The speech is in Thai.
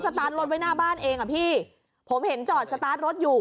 ตาร์ทรถไว้หน้าบ้านเองอ่ะพี่ผมเห็นจอดสตาร์ทรถอยู่